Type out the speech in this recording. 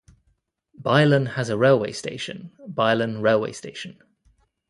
Beilen has a railway station - Beilen railway station.